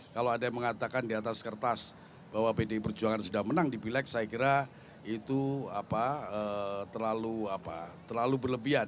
kalau ada yang mengatakan di atas kertas bahwa pdi perjuangan sudah menang di pileg saya kira itu terlalu berlebihan